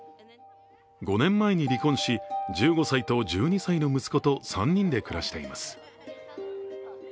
５年前に離婚し、１５歳と１２歳の息子と３人で暮らしています。